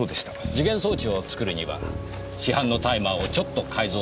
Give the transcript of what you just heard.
時限装置を作るには市販のタイマーをちょっと改造するだけでいい。